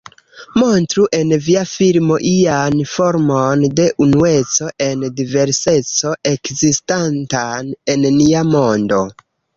Montru en via filmo ian formon de Unueco en Diverseco ekzistantan en nia mondo.